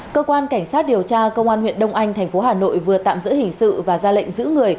cơ quan cảnh sát điều tra công an huyện đông anh tp hà nội vừa tạm giữ hình sự và ra lệnh giữ người